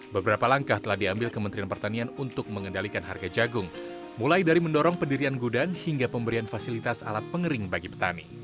beberapa langkah telah diambil kementerian pertanian untuk mengendalikan harga jagung mulai dari mendorong pendirian gudang hingga pemberian fasilitas alat pengering bagi petani